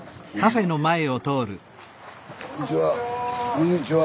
こんにちは。